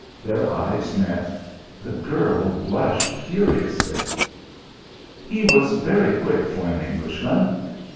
Their eyes met. The girl blushed furiously. He was very quick for an Englishman.